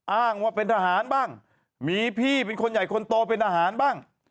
อ้างว่าเป็นทหารบ้างมีพี่เป็นคนใหญ่คนโตเป็นทหารบ้าง